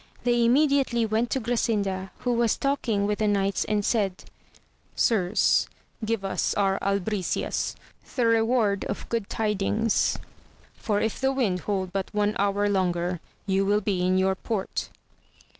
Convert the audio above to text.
They immediately went to Grasinda, who was talking with the knights, and said, Sirs, give us our albricias * for if the wind hold but one hour longer, you will be in your port.